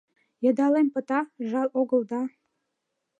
Йыдалем пыта — жал огыл да